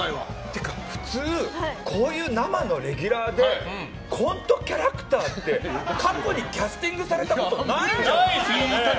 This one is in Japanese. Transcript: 普通こういう生のレギュラーでコントキャラクターって過去にキャスティングされたことないじゃない。